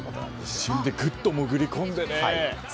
一瞬でぐっと潜り込んでね。